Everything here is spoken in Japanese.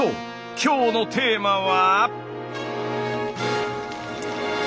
今日のテーマは。